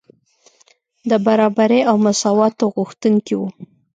د برابرۍ او مساواتو غوښتونکي وو.